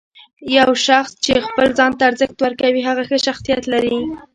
یو شخص چې خپل ځان ته ارزښت ورکوي، هغه ښه شخصیت لري.